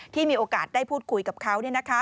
ที่มีโอกาสได้พูดคุยกับเขา